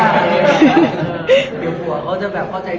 เดี๋ยวหัวเขาจะแบบเข้าใจ